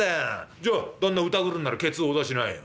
じゃあ旦那うたぐるんならケツをお出しなよ。